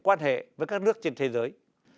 quan hệ với các nước trên thế giới